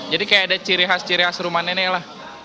jadi kayak ada ciri khas ciri khas rumah nenek lah